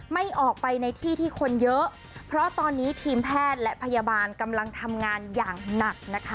ไม่ออกไปในที่ที่คนเยอะเพราะตอนนี้ทีมแพทย์และพยาบาลกำลังทำงานอย่างหนักนะคะ